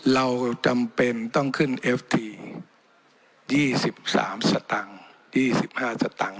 เราจำเป็นต้องขึ้นเอฟทียี่สิบสามสตางค์ยี่สิบห้าสตางค์